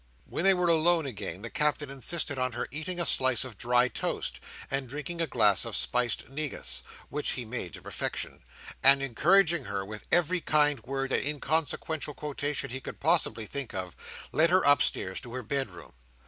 When they were alone again, the Captain insisted on her eating a slice of dry toast, and drinking a glass of spiced negus (which he made to perfection); and, encouraging her with every kind word and inconsequential quotation he could possibly think of, led her upstairs to her bedroom.